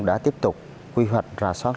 đã tiếp tục quy hoạch rà soát